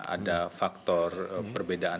ada faktor perbedaan